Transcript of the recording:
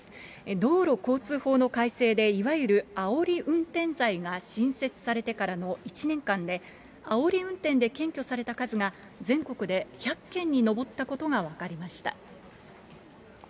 道路交通法の改正でいわゆるあおり運転罪が新設されてからの１年間で、あおり運転で検挙された数が全国で１００件に上ったことが分かりました。